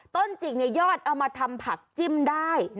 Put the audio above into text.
ต้นจิกยอดเอามาทำผักจิ้มได้